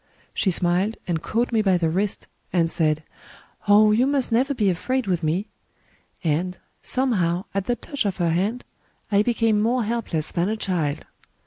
She smiled, and caught me by the wrist, and said, * Oh, you must never be afraid with me!' And, somehow, at the touch of her hand, I became more helpless than a child.